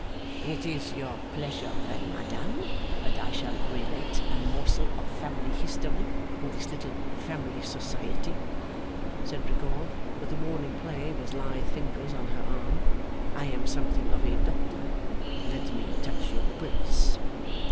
'It is your pleasure then, madame, that I shall relate a morsel of family history in this little family society,' said Rigaud, with a warning play of his lithe fingers on her arm. 'I am something of a doctor. Let me touch your pulse.